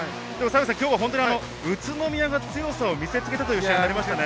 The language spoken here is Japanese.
今日は宇都宮が強さを見せつけたということになりましたよね。